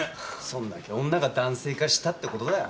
そんだけ女が男性化したってことだよ。